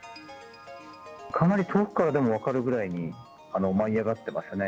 かなり遠くからでも分かるぐらいに、舞い上がってましたね。